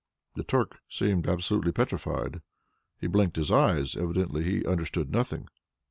The Turk seemed absolutely petrified. He blinked his eyes. Evidently he understood nothing.